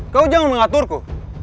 kau jangan mengaturku